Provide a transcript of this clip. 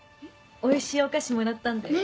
おいしいお菓子もらったんだよ。